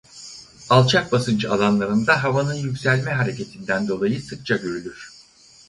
Alçak basınç alanlarında havanın yükselme hareketinden dolayı sıkça görülür.